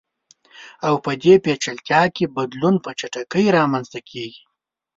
او په دې پېچلتیا کې بدلون په چټکۍ رامنځته کیږي.